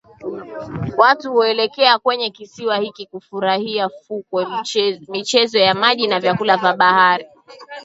Watu huelekea kwenye kisiwa hiki kufurahia fukwe michezo ya maji na vyakula vya bahari